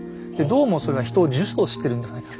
どうもそれは人を呪詛してるんではないか。